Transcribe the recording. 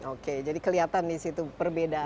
oke jadi kelihatan di situ perbedaan